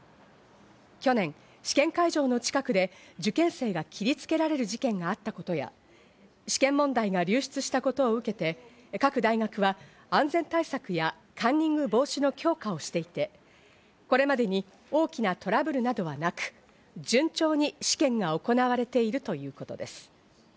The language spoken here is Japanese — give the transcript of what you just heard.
去年、試験会場の近くで受験生が切りつけられる事件があったことや、試験問題が流出したことを受けて各大学は安全対策やカンニング防止の強化をしていて、これまでに大きなトラブルなどはなく、順調に試験が行われているということです。